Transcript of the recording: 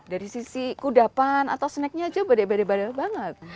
dari sisi kudapan atau snacknya aja beda beda banget